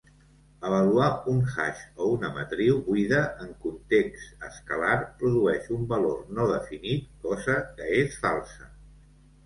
Avaluar un hash o una matriu buida en context escalar produeix un valor no definit, cosa que és falsa.